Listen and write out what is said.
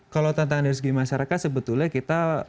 kalau tantangan dari segi masyarakat sebetulnya kita